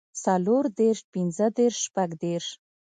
څلور دېرش پنځۀ دېرش شپږ دېرش